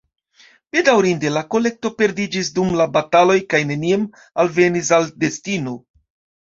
Bedaŭrinde, la kolekto perdiĝis dum la bataloj kaj neniam alvenis al destino.